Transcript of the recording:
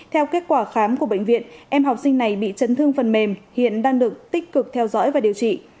theo kết quả khám của bệnh viện em học sinh này bị chấn thương phần mềm hiện đang được tích cực theo dõi và điều trị